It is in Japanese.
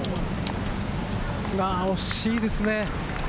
惜しいですね。